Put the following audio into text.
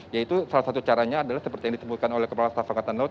yaitu salah satu caranya adalah seperti yang disebutkan oleh kepala staf angkatan laut